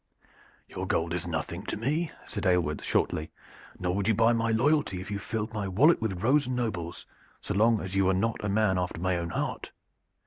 "Your gold is nothing to me," said Aylward shortly, "nor would you buy my loyalty if you filled my wallet with rose nobles, so long as you were not a man after my own heart.